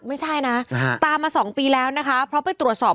ไม่ใช่นะตามมา๒ปีแล้วนะคะเพราะไปตรวจสอบ